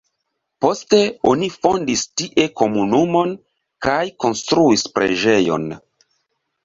Poste oni fondis tie komunumon kaj konstruis preĝejon.